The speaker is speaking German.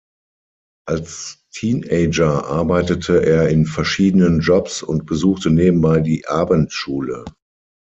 Als Teenager arbeitete er in verschiedenen Jobs und besuchte nebenbei die Abendschule.